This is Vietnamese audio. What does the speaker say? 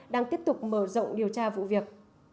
đang tiếp tục mở rộng điều tra vụ việc